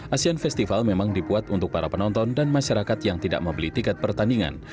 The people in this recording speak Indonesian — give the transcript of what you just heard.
asean festival memang dibuat untuk para penonton dan masyarakat yang tidak membeli tiket pertandingan